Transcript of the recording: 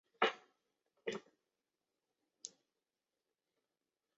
但是要待一个小时